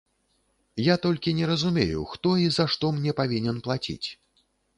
Я толькі не разумею, хто і за што мне павінен плаціць.